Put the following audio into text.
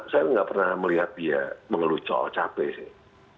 saya nggak pernah melihat dia mengelul cowok capek sih